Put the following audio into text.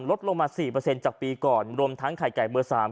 ลดลงมาสี่เปอร์เซ็นต์จากปีก่อนรวมทั้งไข่ไก่เบอร์สาม